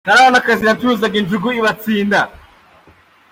Ntarabona akazi nacuruzaga injugu I Batsinda.